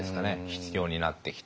必要になってきて。